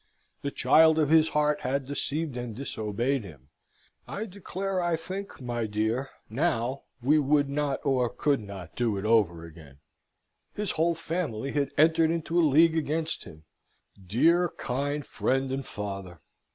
The child of his heart had deceived and disobeyed him I declare I think, my dear, now, we would not or could not do it over again; his whole family had entered into a league against him. Dear, kind friend and father!